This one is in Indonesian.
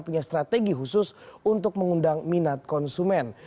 punya strategi khusus untuk mengundang minat konsumen